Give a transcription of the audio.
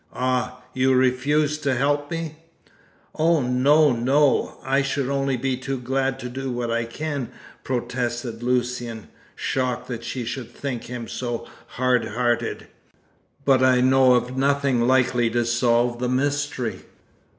"Ah! You refuse to help me?" "Oh, no! no! I shall only be too glad to do what I can," protested Lucian, shocked that she should think him so hard hearted, "but I know of nothing likely to solve the mystery.